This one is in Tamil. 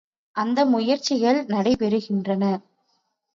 அந்த முயற்சிகள் நடைபெறுகின்றன.